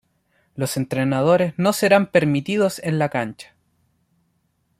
Los entrenadores no serán permitidos en la cancha.